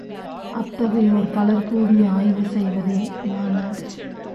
அத்தகையோர் பலர் கூடி ஆய்வு செய்வதே மாநாடு.